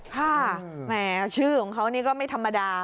แหมชื่อของเขานี่ก็ไม่ธรรมดา